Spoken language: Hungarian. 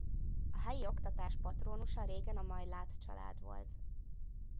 A helyi oktatás patrónusa régen a Majláth család volt.